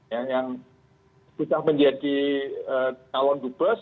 yang sudah menjadi calon dubes